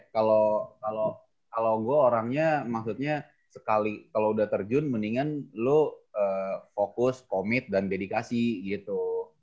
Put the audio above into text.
kalau gue orangnya maksudnya sekali kalau udah terjun mendingan lo fokus komit dan dedikasi gitu